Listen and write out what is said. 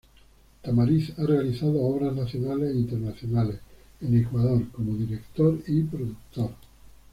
Tamariz ha realizado obras nacionales e internacionales en Ecuador, como director y productor.